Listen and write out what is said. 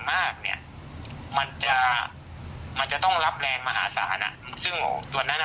มากเนี่ยมันจะมันจะต้องรับแรงมหาศาลอ่ะซึ่งตัวนั้นอ่ะ